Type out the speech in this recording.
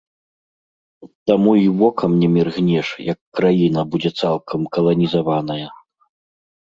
Таму і вокам не міргнеш, як краіна будзе цалкам каланізаваная.